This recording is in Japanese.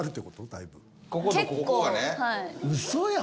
だいぶ。